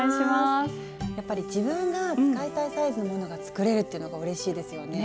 やっぱり自分が使いたいサイズのものが作れるっていうのがうれしいですよね。